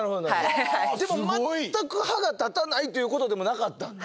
でも全く歯が立たないということでもなかった？